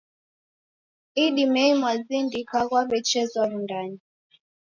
Idimei mwazindika waw'echezwa Wundanyi.